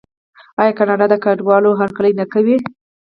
آیا کاناډا د کډوالو هرکلی نه کوي؟